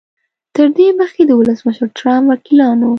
تر دې مخکې د ولسمشر ټرمپ وکیلانو